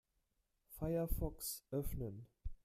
Firefox öffnen.